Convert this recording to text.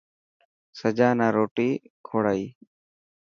سجا نا روٽي ڪوڙائي.